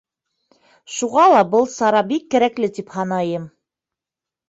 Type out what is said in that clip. Шуға ла был сара бик кәрәкле тип һанайым.